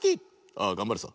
「ああがんばるさ」。